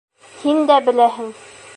Һин дә беләһең.